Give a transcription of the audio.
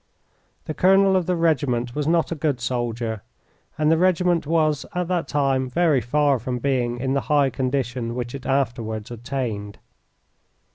The colonel of the regiment was not a good soldier, and the regiment was at that time very far from being in the high condition which it afterwards attained.